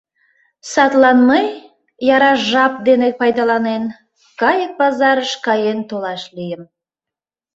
Садлан мый, яра жап дене пайдаланен, кайык пазарыш каен толаш лийым.